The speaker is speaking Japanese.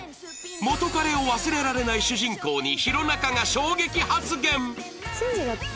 元カレを忘れられない主人公に弘中が衝撃発言！